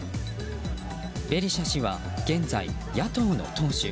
ベリシャ氏は現在、野党の党首。